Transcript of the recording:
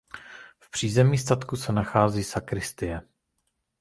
V přízemí přístavku se nachází sakristie.